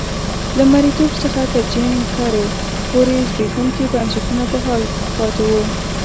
له مریتوب څخه تر جیم کرو پورې زبېښونکي بنسټونه په حال پاتې وو.